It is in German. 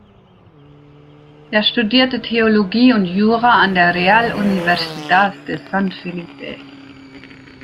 Er studierte Theologie und Jura an der Real Universidad de San Felipe.